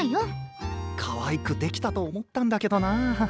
かわいく出来たと思ったんだけどな。